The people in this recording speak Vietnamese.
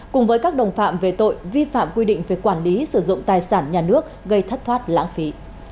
cùng với các đồng phạm về tội vi phạm quy định về quản lý sử dụng tài sản nhà nước gây thất thoát lãng phí